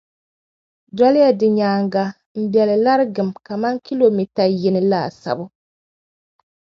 Doliya di nyaaŋa m-be li larigim kaman kilomita yini laasabu.